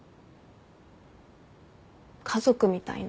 家族みたいな。